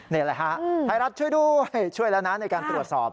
นี่แหละฮะไทยรัฐช่วยด้วยช่วยแล้วนะในการตรวจสอบ